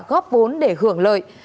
góp vốn để hưởng lợi